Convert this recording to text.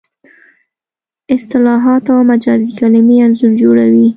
اصطلاح او مجازي کلمې انځور جوړوي